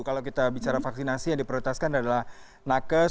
kalau kita bicara vaksinasi yang diprioritaskan adalah nakes